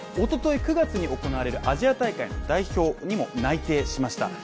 ９月に行われるアジア大会の代表にも内定しました。